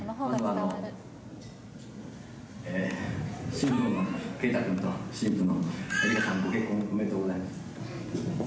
新郎の敬為君と新婦のエリカさんご結婚おめでとうございます。